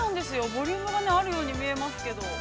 ボリュームがあるように見えますけど。